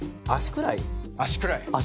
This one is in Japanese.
足くらい足くらい？